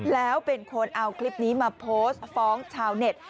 แล้วเป็นคนเอาคลิปนี้มาโพสต์ฟ้องชาวเน็ต